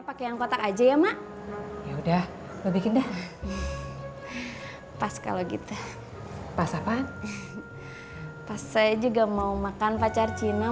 pakai yang kotak aja ya mak yaudah bikin deh pas kalau gitu pas apa pas saya juga mau makan pacar cina